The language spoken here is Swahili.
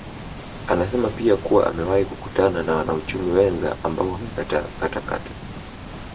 Anasema pia kuwa amewahi kukutana na wanauchumi wenza ambao wamekataa katakata